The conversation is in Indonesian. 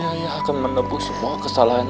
ayah akan menepuk semua kesalahan